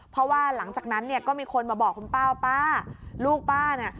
เพราะว่าหลังจากนั้นเนี่ยก็มีคนมาบอกคุณป้าว่าป้าลูกป้าเนี่ย